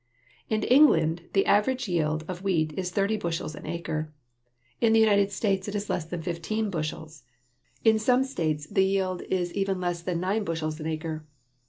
In England the average yield of wheat is thirty bushels an acre, in the United States it is less than fifteen bushels! In some states the yield is even less than nine bushels an acre.